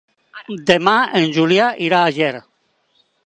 Demà en Julià irà a Ger.